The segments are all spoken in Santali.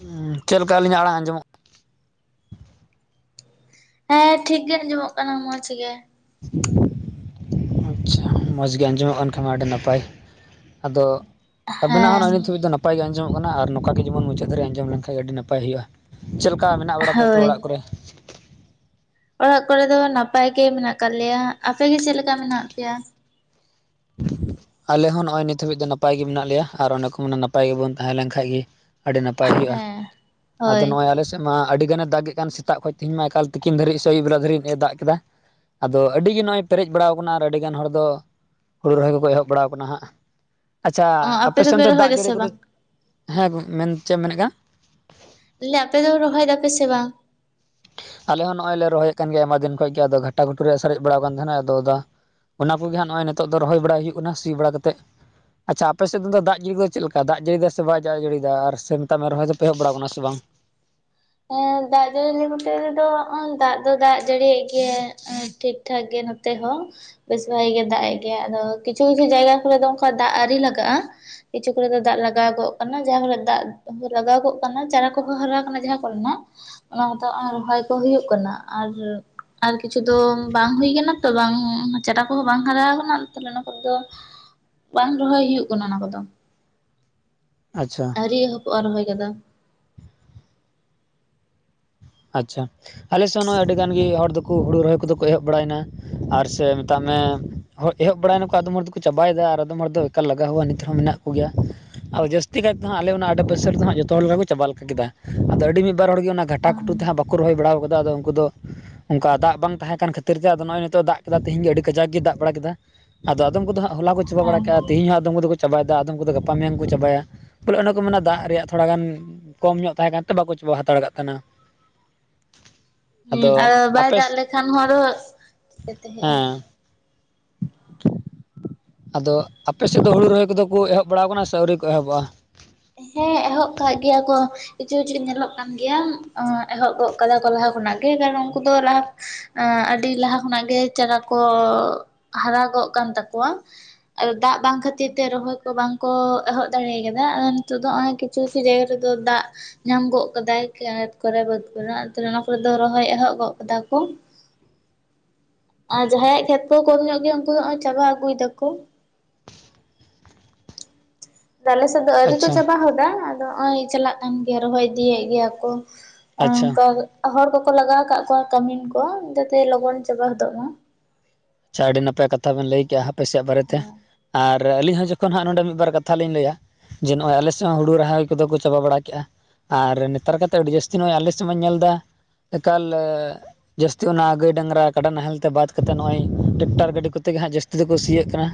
ᱦᱮᱸ ᱪᱮᱜ ᱞᱮᱠᱟ ᱟᱹᱞᱤᱧᱟᱜ ᱟᱲᱟᱝ ᱟᱸᱡᱚᱢᱚᱜ ᱦᱮᱸ ᱴᱷᱤᱠ ᱜᱮ ᱟᱸᱡᱚᱢᱚᱜ ᱠᱟᱱᱟ ᱢᱚᱸᱡᱽ ᱜᱮ᱾ [inaudible] ᱟᱪᱪᱷᱟ ᱢᱚᱸᱡᱽᱜᱤ ᱟᱸᱡᱚᱢᱚᱜ ᱠᱟᱱ ᱠᱷᱟᱱ ᱟᱹᱰᱤ ᱱᱟᱯᱟᱭ ᱟᱫᱚ ᱟᱵᱮᱱᱟᱜ ᱦᱚᱸ ᱦᱮᱸ ᱱᱚᱜ ᱱᱤᱛ ᱫᱷᱟᱹᱵᱤᱡ ᱫᱚ ᱱᱟᱯᱟᱭ ᱜᱮ ᱟᱸᱡᱚᱢᱚᱜ ᱠᱟᱱᱟ ᱟᱨ ᱱᱚᱝᱠᱟ ᱜᱮ ᱡᱮᱢᱚᱱ ᱢᱩᱪᱟᱹᱫ ᱫᱷᱟᱹᱨᱤ ᱟᱸᱡᱚᱢ ᱞᱮᱱᱠᱷᱟᱱ ᱟᱹᱰᱤ ᱱᱟᱯᱟᱭ ᱦᱩᱭᱩᱜᱼᱟ᱾ ᱪᱮᱫ ᱞᱮᱠᱟ ᱢᱮᱱᱟᱜ ᱵᱟᱲᱟ ᱯᱮᱭᱟ ᱛᱚ ᱦᱳᱭ ᱚᱲᱟᱜ ᱠᱚᱨᱮ? ᱚᱲᱟᱜ ᱠᱚᱨᱮ ᱫᱚ ᱱᱟᱯᱟᱭ ᱜᱮ ᱢᱮᱱᱟᱜ ᱠᱟᱜ ᱞᱮᱭᱟ᱾ ᱟᱯᱮᱜ ᱜᱮ ᱪᱮᱫ ᱞᱮᱠᱟ ᱢᱮᱱᱟᱜ ᱯᱮᱭᱟ? ᱟᱞᱮ ᱦᱚᱸ ᱱᱚᱜᱼᱚᱭ ᱱᱤᱛ ᱦᱟᱹᱵᱤᱜ ᱫᱚ ᱱᱟᱯᱟᱭ ᱜᱮ ᱢᱮᱱᱟᱜ ᱞᱮᱭᱟ ᱟᱨ ᱚᱱᱮ ᱠᱚ ᱢᱮᱱᱟ ᱱᱟᱯᱟᱭ ᱜᱮᱵᱚᱱ ᱛᱟᱦᱮᱸᱞᱮᱱ ᱠᱷᱟᱭ ᱜᱮ ᱟᱹᱰᱤ ᱱᱟᱯᱟᱭ ᱦᱩᱭᱩᱜᱼᱟ᱾ ᱦᱮᱸ ᱟᱫᱚ ᱦᱳᱭ ᱱᱚᱜ- ᱚᱭ ᱟᱞᱮ ᱥᱮᱜ ᱢᱟ ᱟᱹᱰᱤ ᱜᱟᱱᱮ ᱫᱟᱜᱮ ᱠᱟᱱ ᱥᱮᱛᱟᱜ ᱠᱷᱚᱱ ᱛᱤᱦᱤᱧ ᱢᱟ ᱮᱠᱟᱞ ᱛᱤᱠᱤᱱ ᱫᱷᱟᱹᱨᱤᱡ ᱥᱮ ᱟᱹᱭᱩᱵ ᱵᱮᱲᱟ ᱫᱷᱵᱤᱡ ᱮ ᱫᱟᱜᱽ ᱠᱮᱫᱟ᱾ ᱟᱫᱚ ᱟᱹᱰᱤᱜᱮ ᱱᱚᱜᱼᱚᱭ ᱯᱮᱨᱮᱡ ᱵᱟᱲᱟᱣ ᱠᱟᱱᱟ ᱟᱨ ᱟᱹᱰᱤᱜᱟᱱ ᱦᱚᱲ ᱫᱚ ᱠᱚ ᱦᱩᱲᱩ ᱨᱚᱦᱚᱭ ᱠᱚᱠᱚ ᱮᱦᱚᱵ ᱵᱟᱲᱟᱣ ᱠᱟᱱᱟ ᱦᱟᱸᱜ, ᱟᱪᱪᱷᱟ ᱚ ᱟᱯᱮ ᱥᱮᱱ ᱫᱚᱯᱮ ᱫᱚ ᱨᱚᱦᱚᱭ ᱫᱟᱜᱽ ᱡᱟᱹᱲᱤ ᱫᱟᱥᱮ ᱠᱚᱫᱚ ᱵᱟᱝ ᱦᱮᱸ ᱢᱮᱱ ᱪᱮᱜ ᱮᱢ ᱢᱮᱱᱮᱜ ᱠᱟᱱ? ᱛᱟᱞᱮ ᱟᱯᱮ ᱫᱚ ᱨᱚᱦᱚᱭ ᱫᱟᱯᱮ ᱥᱮ ᱵᱟᱝ? ᱟᱞᱮ ᱦᱚᱸ ᱱᱚᱜᱼᱚᱭ ᱞᱮ ᱨᱚᱦᱚᱭᱮᱜ ᱠᱟᱱ ᱜᱮᱭᱟ ᱟᱭᱢᱟ ᱫᱤᱱ ᱠᱷᱚᱭ ᱜᱮ ᱟᱫᱚ ᱜᱷᱟᱴᱟ ᱜᱷᱩᱴᱩ ᱨᱮ ᱥᱟᱨᱮᱡ ᱵᱟᱲᱟᱣ ᱠᱟᱱ ᱛᱟᱦᱮᱸᱱᱟ ᱟᱫᱚ ᱫᱟ ᱚᱱᱟ ᱠᱚᱜᱮ ᱦᱟᱸᱜ ᱱᱚᱜᱼᱚᱭ ᱱᱤᱛᱚᱜ ᱫᱚ ᱨᱚᱦᱚᱭ ᱵᱟᱲᱟᱭ ᱦᱩᱭᱩᱜ ᱠᱟᱱᱟ ᱥᱤ ᱵᱟᱲᱟ ᱠᱟᱛᱮᱜ᱾ ᱟᱪᱪᱷᱟ ᱟᱯᱮ ᱥᱮᱜ ᱫᱚ ᱫᱟᱜᱽ ᱡᱟᱹᱲᱤ ᱫᱚ ᱪᱮᱫ ᱞᱮᱠᱟ ᱫᱟᱜᱽ ᱡᱟᱹᱲᱤᱭᱫᱟᱭ ᱥᱮ ᱵᱟᱭ ᱫᱟᱜᱽ ᱡᱟᱹᱲᱤᱭᱫᱟ ᱟᱨ ᱥᱮ ᱢᱮᱛᱟᱜ ᱢᱮ ᱨᱚᱦᱚᱭ ᱫᱚᱯᱮ ᱮᱦᱚᱵ ᱵᱟᱲᱟᱣ ᱠᱟᱱᱟ ᱥᱮ ᱵᱟᱝ? ᱮᱸ ᱫᱟᱜᱽ ᱡᱟᱹᱲᱤ ᱱᱚᱛᱮ ᱨᱮᱫᱚ ᱚᱸ ᱫᱟᱜᱽ ᱫᱚ ᱫᱟᱜᱽ ᱡᱟᱹᱲᱤᱭᱮᱫ ᱜᱮᱭᱟᱭ ᱟᱸ ᱴᱷᱤᱠ ᱴᱷᱟᱠ ᱜᱮ ᱱᱚᱛᱮ ᱦᱚᱸ᱾ ᱵᱮᱥ ᱵᱷᱟᱜᱤ ᱜᱮ ᱫᱟᱜᱽ ᱮᱜ ᱜᱮᱭᱟᱭ ᱟᱫᱚ ᱠᱤᱪᱷᱩ ᱠᱤᱪᱷᱩ ᱡᱟᱭᱜᱟ ᱠᱚᱨᱮ ᱫᱚ ᱚᱱᱠᱟ ᱫᱟᱜᱽ ᱟᱣᱨᱤ ᱞᱟᱜᱟᱜᱼᱟ᱾ ᱠᱤᱪᱷᱩ ᱠᱚᱨᱮ ᱫᱚ ᱫᱟᱜᱽ ᱞᱟᱜᱟᱣ ᱜᱚᱜ ᱠᱟᱱᱟ ᱡᱟᱦᱟᱸ ᱠᱚᱨᱮᱫ ᱫᱟᱜᱽ ᱞᱟᱜᱟᱣ ᱜᱚᱜ ᱠᱟᱱᱟ ᱪᱟᱨᱟ ᱠᱚᱦᱚᱸ ᱦᱟᱨᱟ ᱠᱟᱱᱟ ᱡᱟᱦᱟᱸ ᱠᱚᱨᱮᱱᱟᱜ ᱚᱱᱟ ᱠᱚᱫᱚ ᱟᱨ ᱨᱚᱦᱚᱭ ᱠᱚ ᱦᱩᱭᱩᱜ ᱠᱟᱱᱟ᱾ ᱟᱨ ᱟᱨ ᱠᱤᱪᱷᱩ ᱫᱚ ᱵᱟᱝ ᱦᱩᱭ ᱠᱟᱱᱟ ᱛᱚ ᱵᱟᱝ ᱪᱟᱨᱟ ᱠᱚᱦᱚᱸ ᱵᱟᱝ ᱦᱟᱨᱟ ᱠᱟᱱᱟ ᱛᱟᱦᱞᱮ ᱚᱱᱟ ᱠᱚ ᱫᱚ, ᱵᱟᱝ ᱨᱚᱦᱚᱭ ᱦᱩᱭᱩᱜ ᱠᱟᱱᱟ ᱚᱱᱟ ᱠᱚᱫᱚ᱾ ᱟᱪᱪᱷᱟ᱾ ᱟᱹᱣᱨᱤ ᱮᱦᱚᱯᱚᱜ-ᱟ ᱨᱚᱦᱚᱭ ᱠᱚᱫᱚ᱾ ᱟᱪᱪᱷᱟ, ᱟᱞᱮ ᱥᱮᱜ ᱱᱚᱸᱜᱼᱚᱭ ᱟᱹᱰᱤ ᱜᱟᱱ ᱜᱮ ᱦᱚᱲ ᱫᱚᱠᱚ ᱦᱩᱲᱩ ᱨᱚᱦᱚᱭ ᱠᱚᱫᱚ ᱠᱚ ᱮᱦᱚᱵ ᱵᱟᱲᱟᱭᱱᱟ᱾ ᱟᱨ ᱥᱮ ᱢᱮᱛᱟᱜ ᱢᱮ ᱮᱦᱚᱵ ᱵᱟᱲᱟᱭᱱᱟᱠᱚ ᱟᱫᱚᱢ ᱦᱚᱲ ᱫᱚᱠᱚ ᱪᱟᱵᱟᱭᱮᱫᱟ ᱟᱨ ᱟᱫᱚᱢ ᱦᱚᱲ ᱫᱚ ᱮᱠᱟᱞ ᱞᱟᱜᱟᱣ ᱦᱚᱸᱣᱟ ᱱᱤᱛᱦᱚᱸ ᱢᱮᱱᱟᱜ ᱠᱩ ᱜᱮᱭᱟ᱾ ᱟᱫᱚ ᱡᱟᱹᱥᱛᱤ ᱠᱟᱭᱛᱮ ᱦᱟᱸᱜ ᱟᱞᱮ ᱚᱱᱟ ᱟᱰᱮ ᱯᱟᱥᱮ ᱨᱮ ᱦᱟᱸᱜ ᱡᱷᱚᱛᱚ ᱦᱚᱲ ᱞᱮᱠᱟ ᱠᱚ ᱪᱟᱵᱟ ᱞᱮᱠᱟ ᱠᱮᱫᱟ ᱟᱫᱚ ᱟᱹᱰᱤ ᱢᱤᱜ ᱵᱟᱨ ᱦᱚᱲ ᱜᱮ ᱚᱱᱟ ᱜᱷᱟᱴ ᱦᱮᱸ ᱠᱷᱩᱴᱩ ᱛᱮ ᱦᱟᱸᱜ ᱵᱟᱠᱚ ᱨᱚᱦᱚᱭ ᱵᱟᱲᱟᱣ ᱠᱟᱫᱟ ᱟᱫᱚ ᱩᱱᱠᱩ ᱫᱚ ᱚᱝᱠᱟ ᱫᱟᱜᱽ ᱵᱟᱝ ᱛᱟᱦᱮᱸ ᱠᱟᱱ ᱚᱝᱠᱟ ᱠᱷᱟᱹᱛᱤᱨ ᱛᱮ ᱟᱫᱚ ᱱᱚᱜᱼᱚᱭ ᱱᱤᱛᱚᱜ ᱫᱟᱜᱽ ᱠᱮᱫᱟ ᱛᱮᱦᱤᱧ ᱜᱮ ᱟᱹᱰᱤ ᱠᱟᱡᱟᱠ ᱜᱮ ᱫᱟᱜᱽ ᱵᱟᱲᱟ ᱠᱮᱫᱟ᱾ ᱟᱫᱚ ᱟᱫᱚᱢᱫᱚ ᱦᱟᱸᱜ ᱦᱚᱞᱟ ᱠᱚ ᱪᱟᱵᱟ ᱵᱟᱲᱟ ᱠᱮᱜᱼᱟ ᱛᱮᱦᱤᱧ ᱦᱚᱸ ᱟᱫᱚᱢ ᱠᱚᱫᱚ ᱠᱚ ᱪᱟᱵᱟᱭᱫᱟ ᱟᱫᱚᱢ ᱠᱚ ᱫᱚ ᱜᱟᱯᱟ ᱢᱮᱭᱟᱝ ᱠᱚ ᱪᱟᱵᱟᱭᱟ ᱵᱚᱞᱮ ᱚᱱᱟ ᱠᱚ ᱢᱮᱱᱟ ᱫᱟᱜᱽ ᱨᱮᱭᱟᱜ ᱛᱷᱚᱲᱟ ᱜᱟᱱ ᱠᱚᱢ ᱧᱚᱜ ᱛᱟᱦᱮᱸ ᱠᱟᱱᱛᱮ ᱵᱟᱠᱚ ᱪᱟᱵᱟ ᱦᱟᱛᱟᱲ ᱠᱟᱜ ᱛᱟᱦᱮᱸᱱᱟ᱾ ᱦᱮᱸ ᱟᱨ ᱵᱟᱭ ᱟᱯᱮ ᱫᱟᱜᱽ ᱞᱮᱠᱷᱟᱱ ᱦᱚᱸ ᱟᱨᱚ ᱪᱤᱠᱟᱹᱛᱮ ᱦᱳᱭᱳᱜᱼᱟ᱾ ᱦᱮᱸ ᱟᱫᱚ ᱟᱯᱮ ᱥᱮᱫ ᱫᱚ ᱦᱩᱲᱩ ᱨᱚᱦᱚᱭ ᱠᱚᱫᱚ ᱠᱚ ᱮᱦᱚᱵ ᱵᱟᱲᱟᱣ ᱠᱟᱱᱟ ᱥᱮ ᱟᱹᱣᱨᱤ ᱠᱚ ᱮᱦᱚᱵᱼᱟ? ᱦᱮᱸ ᱮᱦᱚᱵ ᱠᱟᱜ ᱜᱮᱭᱟ ᱠᱚ᱾ ᱠᱤᱪᱷᱩ ᱠᱤᱪᱷᱩ ᱧᱮᱞᱚᱜ ᱠᱟᱱ ᱜᱮᱭᱟ ᱚᱸ ᱮᱦᱚᱵ ᱜᱚᱫ ᱠᱟᱫᱟ ᱠᱚ ᱞᱟᱦᱟ ᱠᱷᱚᱱᱟᱜ ᱜᱮ ᱠᱟᱨᱚᱱ ᱩᱱᱠᱩ ᱫᱚ ᱞᱟᱦᱟ ᱮᱸ ᱟᱹᱰᱤ ᱞᱟᱦᱟ ᱠᱷᱚᱱᱟᱜ ᱜᱮ ᱪᱟᱨᱟ ᱠᱚ ᱦᱟᱨᱟᱜᱚᱜ ᱠᱟᱱ ᱛᱟᱠᱚᱣᱟ᱾ ᱟᱫᱚ ᱫᱟᱜᱽ ᱵᱟᱝ ᱠᱷᱟᱹᱛᱤᱨ ᱛᱮ ᱨᱚᱦᱚᱭ ᱠᱚ ᱵᱟᱝ ᱠᱚ ᱮᱦᱚᱵ ᱫᱟᱲᱮᱭ ᱠᱟᱫᱟ᱾ ᱱᱤᱛᱚᱜ ᱫᱚ ᱦᱚᱸᱜᱼᱚᱭ ᱠᱤᱪᱷᱩ ᱠᱤᱪᱷᱩ ᱡᱟᱭᱜᱟ ᱨᱮᱫᱚ ᱫᱟᱜᱽ ᱧᱟᱢ ᱜᱚᱜ ᱠᱟᱫᱟᱭ ᱠᱷᱮᱛ ᱠᱚᱨᱮ ᱵᱟᱹᱫᱽ ᱠᱚᱨᱮ ᱟᱫᱚ ᱚᱱᱟ ᱠᱚᱨᱮ ᱫᱚ ᱨᱚᱦᱚᱭ ᱮᱦᱚᱵ ᱜᱚᱜ ᱠᱟᱫᱟ ᱠᱚ᱾ [inaudible] ᱟᱨ ᱡᱟᱦᱟᱸᱭᱟᱜ ᱠᱷᱮᱛ ᱠᱚ ᱠᱚᱢ ᱧᱚᱜ ᱜᱮᱭᱟ ᱩᱱᱠᱩ ᱫᱚ ᱦᱚᱸᱜᱼᱚᱭ ᱪᱟᱵᱟ ᱟᱹᱜᱩᱭ ᱫᱟᱠᱚ᱾ ᱟᱞᱮ ᱥᱮᱫ ᱫᱚ ᱟᱹᱣᱨᱤ ᱠᱚ ᱟᱪᱪᱷᱟ ᱪᱟᱵᱟ ᱦᱚᱫᱟ ᱟᱫᱚ ᱱᱚᱜᱼᱚᱭ ᱪᱟᱞᱟᱜ ᱠᱟᱱ ᱜᱮᱭᱟ ᱨᱚᱦᱚᱭ ᱤᱫᱤᱭᱮᱫ ᱜᱮᱭᱟ ᱠᱚ᱾ ᱟᱪᱪᱷᱟ ᱚᱱᱠᱟ ᱦᱚᱲ ᱠᱚᱠᱚ ᱞᱟᱜᱟᱣ ᱟᱠᱟᱫ ᱠᱚᱣᱟ ᱠᱟᱹᱢᱤᱱ ᱠᱚ ᱡᱟᱛᱮ ᱞᱚᱜᱚᱱ ᱪᱟᱵᱟ ᱦᱚᱫᱚᱜ ᱢᱟ᱾ ᱟᱪᱪᱷᱟ ᱟᱹᱰᱤ ᱱᱟᱯᱟᱭ ᱠᱟᱛᱷᱟ ᱵᱮᱱ ᱞᱟᱹᱭ ᱠᱮᱫᱼᱟ ᱟᱯᱮᱥᱮᱫ ᱵᱟᱨᱮᱛᱮ᱾ ᱟᱨ ᱟᱹᱞᱤᱧ ᱦᱚᱸ ᱡᱚᱠᱷᱚᱱ ᱦᱟᱸᱜ ᱱᱚᱰᱮ ᱢᱤᱫ ᱵᱟᱨ ᱠᱟᱛᱷᱟ ᱞᱤᱧ ᱞᱟᱹᱭᱟ᱾ ᱡᱮ ᱱᱚᱜᱼᱚᱭ ᱟᱞᱮ ᱥᱮᱫ ᱦᱚᱸ ᱦᱩᱲᱩ ᱨᱚᱦᱚᱭ ᱠᱚᱫᱚ ᱠᱚ ᱪᱟᱵᱟ ᱵᱟᱲᱟ ᱠᱮᱜᱼᱟ᱾ ᱟᱨ ᱱᱮᱛᱟᱨ ᱠᱟᱛᱮᱜ ᱟᱹᱰᱤ ᱡᱟᱹᱥᱛᱤ ᱱᱚᱜᱼᱚᱭ ᱟᱞᱮ ᱥᱮᱫ ᱢᱟᱧ ᱧᱮᱞ ᱮᱫᱟ᱾ ᱮᱠᱟᱞ ᱡᱟᱹᱥᱛᱤ ᱚᱱᱟ ᱜᱟᱹᱭ ᱰᱟᱝᱨᱟ ᱠᱟᱰᱟ ᱱᱟᱦᱮᱞ ᱛᱮ ᱵᱟᱫ ᱠᱟᱛᱮ ᱱᱚᱜᱼᱚᱭ ᱴᱮᱠᱴᱟᱨ ᱜᱟᱹᱰᱤ ᱠᱚᱛᱮᱜᱮ ᱦᱟᱸᱜ ᱡᱟᱹᱥᱛᱤ ᱫᱚᱠᱚ ᱥᱤᱭᱮᱜ ᱠᱟᱱᱟ᱾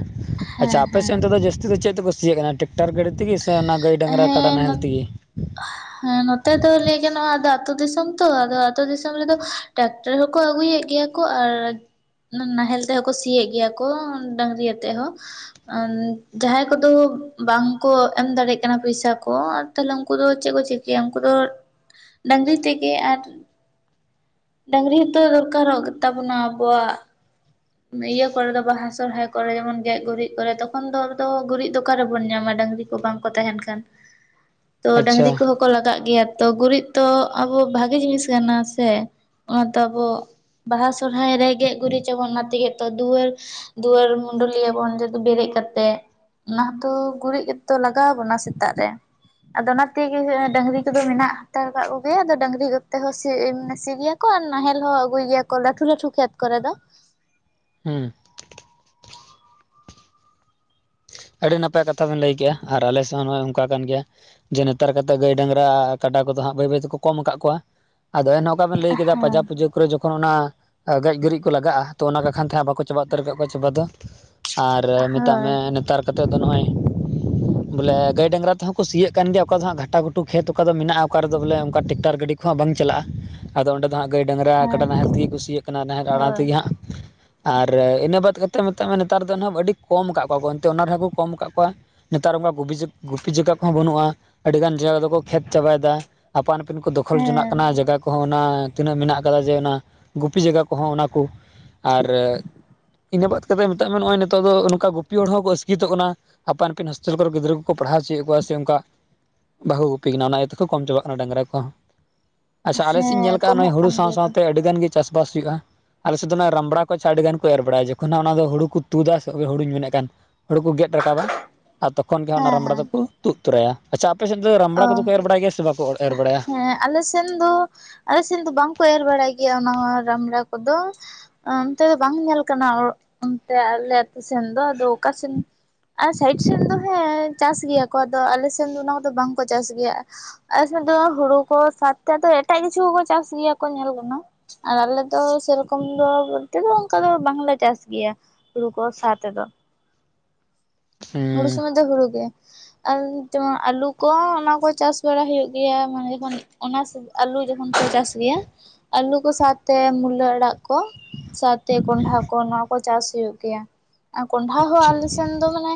ᱟᱪᱪᱷᱟ ᱦᱮᱸ ᱦᱮᱸ ᱟᱯᱮᱥᱮᱫ ᱚᱱᱛᱮ ᱫᱚ ᱡᱟᱹᱥᱛᱤ ᱫᱚ ᱪᱮᱫ ᱛᱮᱠᱚ ᱥᱤᱭᱮᱜ ᱠᱟᱱᱟ? ᱴᱨᱟᱠᱴᱟᱨ ᱜᱟᱹᱰᱤ ᱛᱤᱜᱤ ᱥᱮ ᱚᱱᱟ ᱜᱟᱹᱭ ᱰᱟᱝᱨᱟ ᱠᱟᱰᱟ ᱦᱮᱸ ᱱᱟᱦᱮᱞ ᱛᱤᱜᱤ? ᱦᱮᱸ ᱱᱚᱛᱮ ᱫᱚ ᱞᱟᱹᱭ ᱜᱟᱱᱚᱜᱼᱟ ᱟᱫᱚ ᱟᱹᱛᱳ ᱫᱤᱥᱚᱢ ᱛᱚ ᱟᱫᱚ ᱟᱹᱛᱳ ᱫᱤᱥᱚᱢ ᱨᱮᱫᱚ ᱴᱟᱠ ᱴᱟᱨ ᱦᱚᱸ ᱠᱚ ᱟᱹᱜᱩᱭᱮᱫ ᱜᱮᱭᱟ ᱠᱚ ᱟᱨ ᱚᱱᱟ ᱱᱟᱦᱮᱞ ᱛᱮᱦᱚᱸ ᱠᱚ ᱥᱤᱭᱮᱫ ᱜᱮᱭᱟ ᱠᱚ ᱰᱟᱝᱨᱤ ᱟᱛᱮᱜ ᱦᱚᱸ᱾ ᱡᱟᱦᱟᱸᱭ ᱠᱚᱫᱚ ᱵᱟᱝ ᱠᱚ ᱮᱢ ᱫᱟᱲᱮᱭᱟᱜ ᱠᱟᱱᱟ ᱯᱚᱭᱥᱟ ᱠᱚ ᱛᱟᱦᱞᱮ ᱩᱱᱠᱩ ᱫᱚ ᱪᱮᱫ ᱠᱚ ᱪᱤᱠᱟᱹᱭᱟ ᱩᱱᱠᱩ ᱫᱚ ᱰᱟᱹᱝᱨᱤ ᱛᱮᱜᱮ ᱟᱨ ᱰᱟᱹᱝᱨᱤ ᱦᱚᱸᱛᱚ ᱫᱚᱨᱠᱟᱨᱚᱜ ᱜᱮ ᱛᱟᱵᱚᱱᱟ ᱟᱵᱚᱣᱟᱜ ᱤᱭᱟᱹ ᱠᱚᱨᱮ ᱫᱚ ᱵᱟᱦᱟ ᱥᱚᱨᱦᱟᱭ ᱠᱚᱨᱮ ᱡᱮᱢᱚᱱ ᱜᱮᱡ ᱜᱩᱨᱤᱡ ᱠᱚᱨᱮ ᱛᱚᱠᱷᱚᱱ ᱫᱚ ᱟᱵᱚ ᱫᱚ ᱜᱩᱨᱤᱡ ᱫᱚ ᱚᱠᱟ ᱨᱮᱵᱚᱱ ᱧᱟᱢᱟ ᱰᱟᱹᱝᱨᱤ ᱵᱟᱝ ᱠᱚ ᱛᱟᱦᱮᱱ ᱠᱷᱟᱱ᱾ [inaudible] ᱛᱚ ᱰᱟᱝᱨᱤ ᱠᱚ ᱦᱚᱸ ᱠᱚ ᱞᱟᱜᱟᱜ ᱜᱮᱭᱟ ᱛᱚ ᱜᱩᱨᱤᱡ ᱛᱚ ᱟᱵᱚ ᱵᱷᱟᱜᱮ ᱡᱤᱱᱤᱥ ᱠᱟᱱᱟ ᱥᱮ ᱚᱱᱟ ᱫᱚ ᱟᱵᱚ ᱵᱟᱦᱟ ᱥᱚᱨᱦᱟᱭ ᱨᱮ ᱜᱮᱡ ᱜᱩᱨᱤᱡ ᱪᱟᱵᱚᱱ ᱚᱱᱟ ᱛᱮᱜᱮ ᱛᱚ ᱫᱩᱣᱟᱹᱨ ᱫᱩᱣᱟᱹᱨ ᱢᱩᱰᱩᱞᱤᱭᱟᱹ ᱵᱚᱱ ᱡᱩᱫᱤ ᱵᱮᱨᱮᱜ ᱠᱟᱛᱮᱜ᱾ ᱚᱱᱟ ᱦᱚᱛᱚ ᱜᱩᱨᱤᱡ ᱜᱮᱛᱚ ᱞᱟᱜᱟᱣ ᱵᱚᱱᱟ ᱥᱮᱛᱟᱜ ᱨᱮ᱾ ᱟᱫᱚ ᱚᱱᱟ ᱛᱮᱜᱮ ᱰᱟᱝᱨᱤ ᱠᱚᱫᱚ ᱢᱮᱱᱟᱜ ᱦᱟᱛᱟᱲ ᱠᱟᱜ ᱠᱚᱜᱮᱭᱟ ᱟᱫᱚ ᱰᱟᱹᱝᱨᱤ ᱠᱚᱛᱮ ᱦᱚᱸ ᱥᱤ ᱢᱟᱱᱮ ᱥᱤ ᱜᱮᱭᱟ᱾ ᱠᱚ ᱱᱟᱦᱮᱞ ᱦᱚᱸ ᱟᱹᱜᱩᱭ ᱜᱮᱭᱟ ᱠᱚ ᱞᱟᱹᱴᱩ ᱞᱟᱹᱴᱩ ᱠᱷᱮᱛ ᱠᱚᱨᱮ ᱫᱚ᱾ ᱩᱸ᱾ ᱟᱹᱰᱤ ᱱᱟᱯᱟᱭ ᱠᱟᱛᱷᱟ ᱵᱤᱱ ᱞᱟᱹᱭ ᱠᱮᱫᱮᱜᱼᱟ ᱟᱨ ᱟᱞᱮ ᱥᱮᱫ ᱦᱚᱸ ᱱᱚᱜᱚᱭ ᱚᱝᱠᱟ ᱠᱟᱱ ᱜᱮᱭᱟ᱾ ᱡᱮ ᱱᱮᱛᱟᱨ ᱠᱟᱛᱮᱜ ᱜᱟᱹᱭ ᱰᱟᱝᱨᱟ ᱠᱟᱰᱟ ᱠᱚᱫᱚ ᱦᱟᱜ ᱵᱟᱹᱭ ᱵᱟᱹᱭ ᱛᱮᱠᱚ ᱠᱚᱢ ᱟᱠᱟᱜ ᱠᱚᱣᱟ ᱟᱫᱚ ᱮᱱ ᱚᱠᱟ ᱵᱮᱱ ᱞᱟᱹᱭ ᱠᱮᱫᱟ ᱯᱟᱡᱟ ᱯᱩᱡᱟᱹ ᱠᱚᱨᱮ ᱡᱚᱠᱷᱚᱱ ᱚᱱᱟ ᱜᱮᱡ ᱜᱩᱨᱤᱡ ᱠᱚ ᱞᱟᱜᱟᱜᱼᱟ ᱛᱚ ᱚᱱᱟ ᱵᱟᱠᱷᱟᱱ ᱛᱮ ᱦᱟᱸ ᱵᱟᱠᱚ ᱪᱟᱵᱟ ᱩᱛᱟᱹᱨ ᱠᱟᱜ ᱠᱚᱣᱟ ᱪᱟᱵᱟ ᱫᱚ᱾ ᱟᱨ ᱢᱮᱛᱟᱜ ᱦᱳᱭ ᱢᱮ ᱱᱮᱛᱟᱨ ᱠᱟᱛᱮᱫ ᱫᱚ ᱱᱚᱜᱼᱚᱭ ᱵᱚᱞᱮ ᱜᱟᱹᱭ ᱰᱟᱝᱨᱟ ᱛᱮᱚᱸ ᱥᱤᱭᱮᱹᱜ ᱠᱟᱱ ᱜᱮᱭᱟ ᱚᱠᱟ ᱫᱚ ᱦᱟᱸᱜ ᱜᱷᱟᱴᱟ ᱜᱷᱩᱴᱩ ᱠᱷᱮᱛ ᱚᱠᱟ ᱫᱚ ᱢᱮᱱᱟᱜᱼᱟ ᱚᱠᱟ ᱨᱮᱫᱚ ᱵᱚᱞᱮ ᱚᱱᱠᱟ ᱴᱮᱠᱴᱟᱨ ᱜᱟᱰᱤ ᱠᱚ ᱦᱟᱜ ᱵᱟᱝ ᱪᱟᱞᱟᱜᱼᱟ ᱟᱫᱚ ᱚᱸᱰᱮ ᱫᱚ ᱦᱟᱸᱜ ᱜᱟᱹᱭ ᱰᱟᱝᱨᱟ ᱠᱟᱰᱟ ᱦᱮᱸ ᱱᱟᱦᱮᱞ ᱛᱮᱜᱮ ᱠᱩ ᱥᱤᱭᱟᱜ ᱠᱟᱱᱟ ᱱᱟᱦᱮᱞ ᱟᱲᱟ ᱦᱳᱭ ᱛᱮᱜᱮ ᱦᱟᱸᱜ᱾ ᱟᱨ ᱤᱱᱟᱹ ᱵᱟᱫ ᱠᱟᱛᱮᱫ ᱢᱮᱛᱟᱜ ᱢᱮ ᱱᱮᱛᱟᱨ ᱫᱚ ᱱᱟᱜ ᱟᱹᱰᱤ ᱠᱚᱢ ᱠᱟᱜ ᱠᱚᱣᱟ ᱠᱚ᱾ ᱛᱚ ᱚᱱᱟ ᱨᱮᱦᱚᱸ ᱠᱚ ᱠᱚᱢ ᱟᱠᱟᱜ ᱠᱚᱣᱟ᱾ ᱱᱮᱛᱟᱨ ᱚᱠᱟ ᱜᱚᱯᱤ ᱜᱩᱯᱤ ᱡᱟᱜ ᱟᱜ ᱠᱚᱦᱚᱸ ᱵᱟᱹᱱᱩᱜᱼᱟ ᱟᱹᱰᱤ ᱜᱟᱱ ᱡᱟᱜᱟ ᱫᱚᱠᱚ ᱠᱷᱮᱛ ᱪᱟᱵᱟᱭ ᱫᱟ ᱟᱯᱟᱱ ᱥᱯᱤᱱ ᱠᱚ ᱫᱚᱠᱷᱚᱞ ᱡᱚᱱᱟᱜ ᱦᱮᱸ ᱠᱟᱱᱟ ᱡᱟᱜᱟ ᱠᱚᱦᱚᱸ᱾ ᱚᱱᱟ ᱛᱤᱱᱟᱹᱜ ᱢᱮᱱᱟᱜ ᱟᱠᱟᱫᱟ ᱡᱮ ᱚᱱᱟ ᱜᱩᱯᱤ ᱡᱟᱜᱟ ᱠᱚᱦᱚᱸ ᱚᱱᱟ ᱠᱚ ᱟᱨ ᱤᱱᱟᱹ ᱵᱟᱫ ᱠᱟᱛᱮ ᱢᱮᱛᱟᱜ ᱱᱚᱜ ᱚᱭ ᱱᱤᱛᱚᱜ ᱫᱚ ᱱᱚᱝᱠᱟ ᱜᱩᱯᱤ ᱦᱚᱲ ᱦᱚᱸ ᱟᱥᱠᱤᱛᱚᱜ ᱠᱟᱱᱟ ᱟᱯᱟᱱ ᱟᱹᱯᱤᱱ ᱦᱳᱥᱴᱮᱞ ᱠᱚᱨᱮ ᱜᱤᱫᱽᱨᱟᱹ ᱠᱚᱠᱚ ᱯᱟᱲᱦᱟᱣ ᱚᱪᱚ ᱠᱚᱣᱟ ᱥᱮ ᱚᱱᱠᱟ᱾ ᱵᱟᱠᱚ ᱜᱩᱯᱤ ᱠᱟᱱᱟ ᱚᱱᱟ ᱤᱭᱟᱹ ᱛᱮᱠᱚ ᱠᱚᱢ ᱪᱟᱵᱟᱜ ᱠᱟᱱᱟ ᱰᱟᱝᱨᱟ ᱠᱚᱸ᱾ ᱟᱪᱪᱷᱟ ᱟᱞᱮᱥᱮᱫ ᱤᱧ ᱧᱮᱞ ᱦᱮᱸ ᱟᱠᱟᱜᱼᱟ ᱠᱚᱢᱚᱜ ᱦᱩᱲᱩ ᱠᱟᱱ ᱥᱟᱶ ᱜᱮᱭᱟ ᱠᱚ ᱥᱟᱶᱛᱮ ᱟᱹᱰᱤ ᱜᱟᱱ ᱜᱮ ᱪᱟᱥ ᱵᱟᱥ ᱦᱩᱭᱩᱜᱼᱟ᱾ ᱟᱞᱮᱥᱮᱫ ᱫᱚ ᱚᱱᱟ ᱨᱟᱢᱵᱽᱲᱟ ᱠᱚᱪ ᱟᱹᱰᱤ ᱜᱟᱱ ᱠᱚ ᱮᱨ ᱵᱟᱲᱟᱭᱟ ᱡᱚᱠᱷᱚᱱ ᱱᱟᱜ ᱚᱱᱟ ᱫᱚ ᱦᱩᱲᱩ ᱠᱚ ᱛᱩᱫᱟ ᱥᱮ ᱦᱩᱲᱩᱧ ᱢᱮᱱᱮᱫ ᱠᱟᱱ ᱦᱳᱲᱳ ᱠᱚ ᱜᱮᱫ ᱨᱟᱠᱟᱵᱟ ᱟ ᱛᱚᱠᱷᱚᱱ ᱜᱮ ᱚᱱᱟ ᱦᱮᱸ ᱨᱟᱢᱲᱟ ᱦᱮᱸ ᱫᱚᱠᱚ ᱛᱩᱫ [unintelligible] ᱟᱪᱪᱷᱟ ᱟᱯᱮ ᱥᱮᱫ ᱫᱚ ᱨᱟᱢᱵᱲᱟ ᱠᱚᱫᱚ ᱚ ᱠᱚ ᱮᱨ ᱵᱟᱲᱟᱭ ᱜᱮᱭᱟ ᱥᱮ ᱵᱟᱠᱚ ᱮᱨ ᱵᱟᱲᱟᱭᱟ? ᱦᱮᱸ ᱟᱞᱮ ᱥᱮᱱ ᱫᱚ ᱟᱞᱮ ᱥᱮᱱ ᱫᱚ ᱵᱟᱝᱠᱚ ᱮᱨ ᱵᱟᱲᱟᱭ ᱜᱮᱭᱟ ᱚᱱᱟ ᱨᱟᱢᱲᱟ ᱠᱚᱫᱚ᱾ ᱚᱱᱛᱮ ᱫᱚ ᱵᱟᱝ ᱧᱮᱞ ᱠᱟᱱᱟ ᱚᱱᱛᱮ ᱟᱞᱮ ᱟᱹᱛᱩ ᱥᱮᱱ ᱫᱚ ᱟᱫᱚ ᱚᱠᱟ ᱥᱮᱱ ᱟᱨ ᱥᱟᱭᱤᱰ ᱥᱮᱱ ᱫᱚ ᱦᱮᱸ ᱪᱟᱥ ᱜᱮᱭᱟ ᱠᱚ ᱟᱫᱚ ᱟᱞᱮ ᱥᱮᱱ ᱫᱚ ᱚᱱᱟ ᱠᱚᱫᱚ ᱵᱟᱝᱠᱚ ᱪᱟᱥ ᱜᱮᱭᱟ᱾ ᱟᱞᱮ ᱥᱮᱫ ᱫᱚ ᱦᱩᱲᱩ ᱠᱚ ᱥᱟᱛ ᱠᱟᱛᱮ ᱮᱴᱟᱜ ᱠᱤᱪᱷᱩ ᱠᱚᱠᱚ ᱪᱟᱥ ᱜᱮᱭᱟ ᱠᱚ ᱧᱮᱞ ᱠᱟᱱᱟ᱾ ᱟᱨ ᱟᱞᱮ ᱫᱚ ᱥᱮᱨᱚᱠᱚᱢ ᱫᱚ ᱵᱚᱞᱛᱮ ᱫᱚ ᱚᱱᱠᱟ ᱫᱚ ᱵᱟᱝᱞᱮ ᱪᱟᱥ ᱜᱮᱭᱟ᱾ ᱦᱩᱲᱩ ᱠᱚ ᱥᱟᱶ ᱛᱮᱫᱚ᱾ ᱦᱩᱲᱩ ᱦᱩᱸ ᱥᱚᱢᱚᱭ ᱫᱚ ᱦᱩᱲᱩ ᱜᱮ᱾ ᱟᱨ ᱡᱮᱢᱚᱱ ᱟᱞᱩ ᱠᱚ ᱚᱱᱟ ᱠᱚ ᱪᱟᱥ ᱵᱟᱲᱟ ᱦᱩᱭᱩᱜ ᱜᱮᱭᱟ [unintelligible] ᱚᱱᱟ ᱟᱞᱩ ᱡᱚᱠᱷᱚᱱ ᱠᱚ ᱪᱟᱥ ᱜᱮᱭᱟ ᱟᱞᱩ ᱠᱚ ᱥᱟᱶᱛᱮ ᱢᱩᱞᱟᱹ ᱟᱲᱟᱜ ᱠᱚ᱾ ᱥᱟᱣᱛᱮ ᱠᱚᱸᱰᱷᱟ ᱠᱚ ᱱᱚᱣᱟ ᱠᱚ ᱪᱟᱥ ᱦᱩᱭᱩᱜ ᱜᱮᱭᱟ ᱟᱨ ᱠᱚᱸᱰᱷᱟ ᱦᱚᱸ ᱟᱪᱪᱷᱟ ᱟᱞᱮ ᱥᱮᱱ ᱫᱚ ᱢᱟᱱᱮ